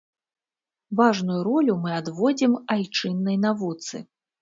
Важную ролю мы адводзім айчыннай навуцы.